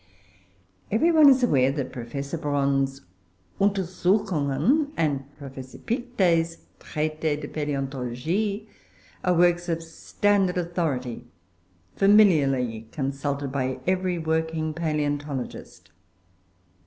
Every one is aware that Professor Bronn's "Untersuchungen" and Professor Pictet's "Traité de Paléontologie" are works of standard authority, familiarly consulted by every working palaeontologist.